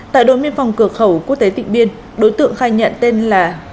tại đồn biên phòng cửa khẩu quốc tế tịnh biên đối tượng khai nhận tên là